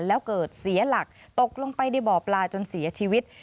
แล้วเกิดเสียหลักตกลงไปในบ่อปลาจนเสียชีวิต